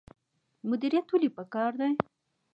مدیریت ولې پکار دی؟